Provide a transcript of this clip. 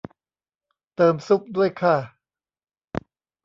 เติมซุปด้วยค่ะ